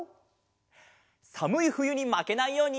さむいふゆにまけないように。